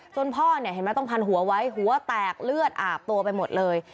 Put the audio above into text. พ่อเนี่ยเห็นไหมต้องพันหัวไว้หัวแตกเลือดอาบตัวไปหมดเลย